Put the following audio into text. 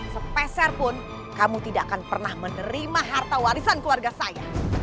sepeserpun kamu tidak akan pernah menerima harta warisan keluarga saya